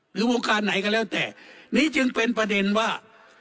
หรือวงการไหนก็แล้วแต่นี้จึงเป็นประเด็นว่า